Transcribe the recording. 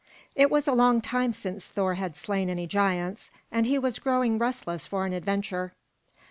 It was a long time since Thor had slain any giants, and he was growing restless for an adventure.